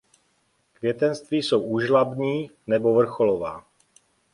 Květenství jsou úžlabní nebo vrcholová.